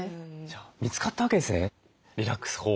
見つかったわけですねリラックス法。